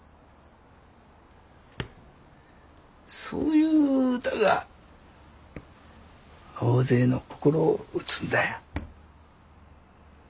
そういう歌が大勢の心を打つんだよ。